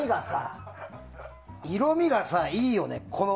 色味がさ、いいよね。